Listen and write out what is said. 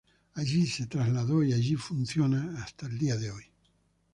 Allí se trasladó, y allí funciona hasta el día de hoy.